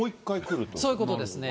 じゃあ、そういうことですね。